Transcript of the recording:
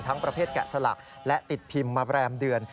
ประเภทแกะสลักและติดพิมพ์มาแรมเดือน